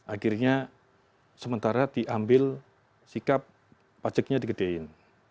akhirnya sementara diambil sikap pajaknya digedein